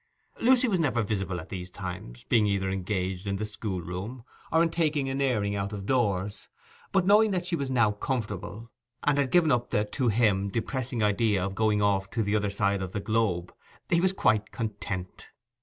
Lucy was never visible at these times, being either engaged in the school room, or in taking an airing out of doors; but, knowing that she was now comfortable, and had given up the, to him, depressing idea of going off to the other side of the globe, he was quite content.